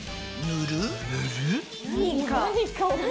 塗る？